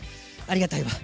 ありがたいわ。